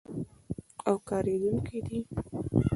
او کارېدونکی دی.